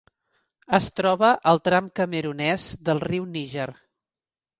Es troba al tram camerunès del riu Níger.